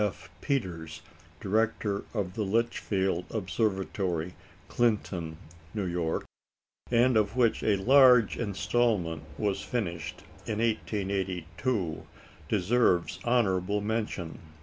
F. Peters, director of the Litchfield Observatory, Clinton (N.Y.), and of which a large instalment was finished in 1882, deserves honourable mention.